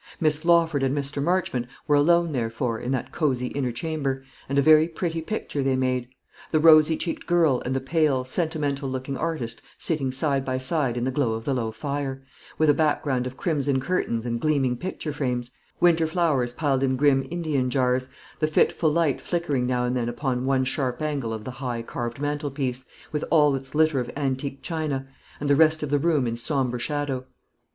Miss Lawford and Mr. Marchmont were alone, therefore, in that cosy inner chamber, and a very pretty picture they made: the rosy cheeked girl and the pale, sentimental looking artist sitting side by side in the glow of the low fire, with a background of crimson curtains and gleaming picture frames; winter flowers piled in grim Indian jars; the fitful light flickering now and then upon one sharp angle of the high carved mantelpiece, with all its litter of antique china; and the rest of the room in sombre shadow.